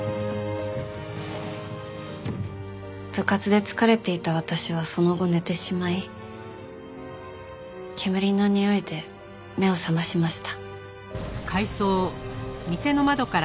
部活で疲れていた私はその後寝てしまい煙のにおいで目を覚ましました。